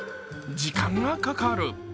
時間がかかる。